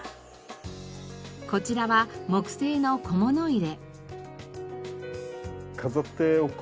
こちらは木製の小物入れ。